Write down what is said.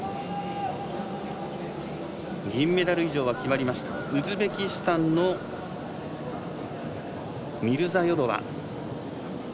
銀メダル以上は決まりましたウズベキスタンのミルザヨロワ。